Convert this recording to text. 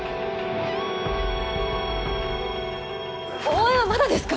応援はまだですか！？